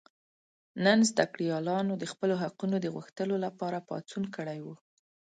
نن زده کړیالانو د خپلو حقونو د غوښتلو لپاره پاڅون کړی و.